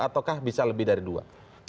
ataukah bisa lebih dari dua